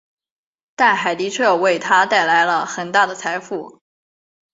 但海迪彻为他带来了很大的财富。